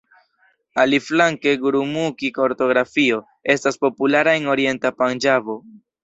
Aliflanke gurumukhi-ortografio estas populara en orienta Panĝabo.